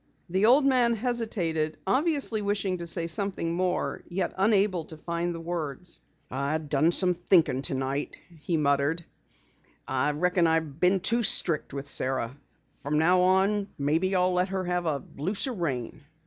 The old man hesitated, obviously wishing to say something more, yet unable to find the words. "I done some thinkin' tonight," he muttered. "I reckon I been too strict with Sara. From now on maybe I'll let her have a looser rein."